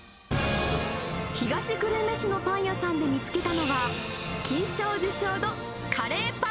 東久留米市のパン屋さんで見つけたのは、金賞受賞のカレーパン。